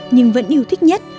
nhưng vẫn yêu thích nhất